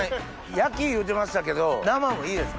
焼き言うてましたけど生もいいですか？